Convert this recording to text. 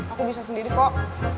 aku bisa sendiri kok